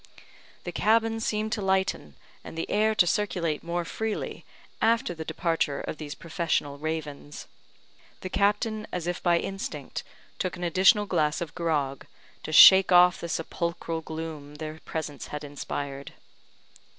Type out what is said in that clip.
The cabin seemed to lighten, and the air to circulate more freely, after the departure of these professional ravens. The captain, as if by instinct, took an additional glass of grog, to shake off the sepulchral gloom their presence had inspired.